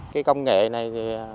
cái công nghệ này